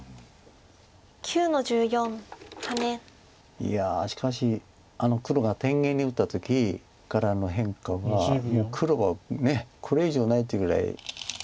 いやしかし黒が天元に打った時からの変化はもう黒はこれ以上ないってぐらい。